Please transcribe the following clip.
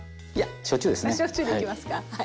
焼酎でいきますかはい。